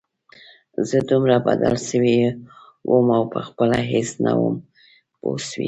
زه دومره بدل سوى وم او پخپله هېڅ نه وم پوه سوى.